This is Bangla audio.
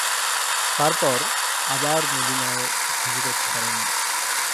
তারপর আবার মদীনায় হিজরত করেন।